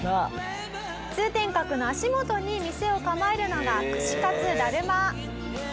通天閣の足元に店を構えるのが串かつだるま。